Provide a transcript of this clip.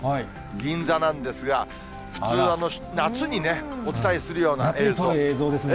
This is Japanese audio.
銀座なんですが、普通、夏にね、夏のような映像ですね。